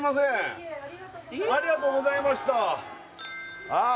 ありがとうございましたああ